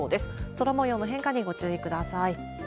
空もようの変化にご注意ください。